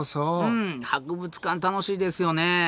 うん博物館楽しいですよね。